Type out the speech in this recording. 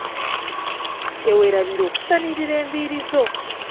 Teweerabira okusanirira enviiri zo.